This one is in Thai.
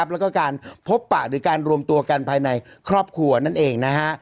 แล้วก็การพบปะหรือการรวมตัวกันภายในครอบครัวนั่นเองนะฮะ